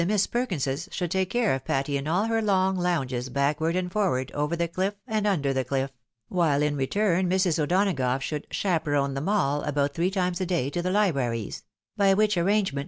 137 Miss Perkinses should take care of Patty in all her long lounges backward and forward, over the cliff and under the cliff; wlule in return, Mrs. O'Donagough should chaperon them all, about three times a day to the libraries ; by which arrangement.